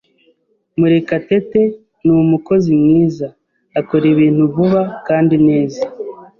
Murekatete ni umukozi mwiza. Akora ibintu vuba kandi neza.